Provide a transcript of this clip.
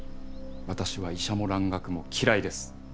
私は医者も蘭学も嫌いです！